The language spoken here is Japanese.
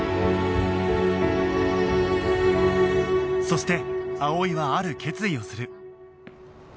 そして葵はある決意をする